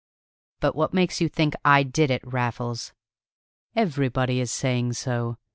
"But what makes you think I did it, Raffles?" "Everybody is saying so.